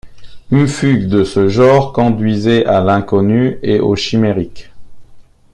Une fugue de ce genre conduisait à l’inconnu et au chimérique.